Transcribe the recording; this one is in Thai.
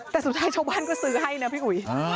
แต่สุดท้ายชาวบ้านก็ซื้อให้นะพี่อุ๋ย